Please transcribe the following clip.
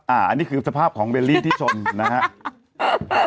อันนี้คือสภาพของเบลลี่ที่ชนนะครับ